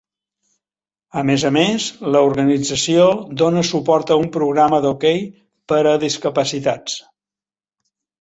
A més a més, l'organització dóna suport a un programa d'hoquei per a discapacitats.